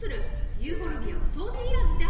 ユーフォルビアは掃除いらずじゃ。